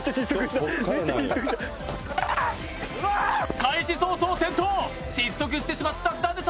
開始早々転倒、失速してしまった舘様。